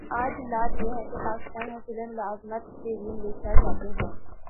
آج حالت یہ ہے کہ پاکستانی حصول ملازمت کیلئے ملائشیا جاتے ہیں۔